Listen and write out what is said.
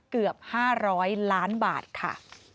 เกือบ๕๐๐ล้านบาทค่ะ